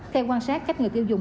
theo quan sát các người tiêu dùng